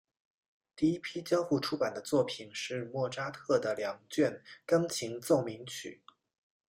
第一批交付出版的作品是莫扎特的两卷钢琴奏鸣曲。